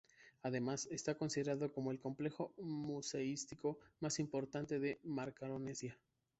Además, está considerado como el complejo museístico más importante de la Macaronesia.